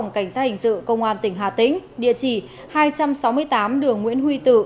cảnh sát hình sự công an tỉnh hà tĩnh địa chỉ hai trăm sáu mươi tám đường nguyễn huy tử